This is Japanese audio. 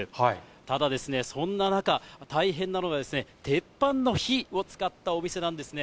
ただ、そんな中、大変なのが、鉄板の火を使ったお店なんですね。